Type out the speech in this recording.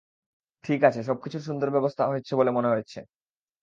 ঠিক আছে, সবকিছুর সুন্দর ব্যবস্থা হয়েছে বলে মনে হচ্ছে।